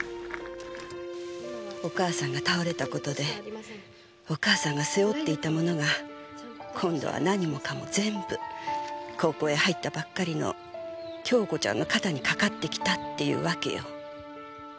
お母さんが倒れた事でお母さんが背負っていたものが今度は何もかも全部高校へ入ったばっかりの杏子ちゃんの肩にかかってきたっていうわけよ。